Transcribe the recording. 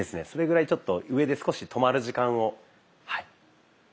それぐらいちょっと上で少し止まる時間をはい。